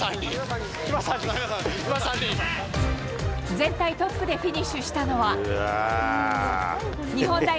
全体トップでフィニッシュしたのは。